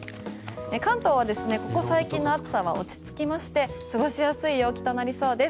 関東はここ最近の暑さは落ち着きまして過ごしやすい陽気となりそうです。